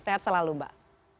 sehat selalu mbak